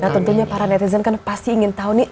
nah tentunya para netizen kan pasti ingin tahu nih